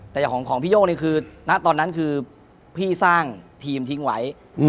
แต่อย่างของพี่โย่คตอนนั้นช่ายครับพี่สร้างทีมทิ้งไว้